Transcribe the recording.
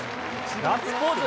ガッツポーズ。